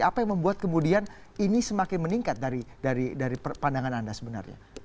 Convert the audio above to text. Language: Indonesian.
apa yang membuat kemudian ini semakin meningkat dari pandangan anda sebenarnya